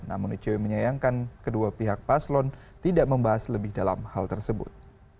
namun icw menyayangkan kedua pihak paslon tidak membahas lebih dalam hal tersebut